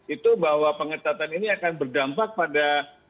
itu bahwa pengetatan ini akan berdampak pada